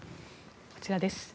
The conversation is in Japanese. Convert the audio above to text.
こちらです。